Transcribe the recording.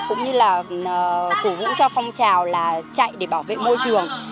chúng tôi chạy để kêu gọi người dân và cũng như là củ vũ cho phong trào là chạy để bảo vệ môi trường